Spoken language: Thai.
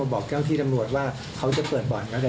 ในรอบข้างมีการเปิดได้สักประมาณส่วนหลัง๒สามวัน